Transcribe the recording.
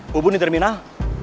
bubun di terminal